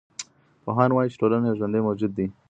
پوهان وايي چي ټولنه یو ژوندی موجود دی.